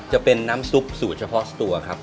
จะเป็นน้ำซุปสูตรเฉพาะตัวครับ